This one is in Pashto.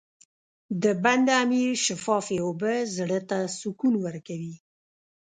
د بند امیر شفافې اوبه زړه ته سکون ورکوي.